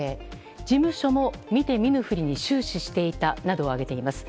事務所も見て見ぬふりに終始していたなどを挙げています。